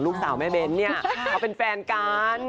ลูกสาวแม่เบ้นเค้าเป็นแฟนกัน